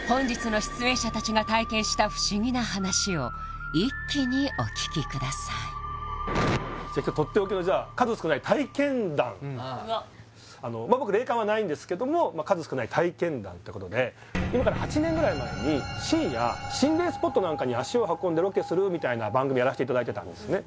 では本日のを一気にお聞きくださいじゃ今日とっておきのじゃあ僕霊感はないんですけども数少ない体験談ってことで今から８年ぐらい前に深夜心霊スポットなんかに足を運んでロケするみたいな番組やらしていただいてたんですね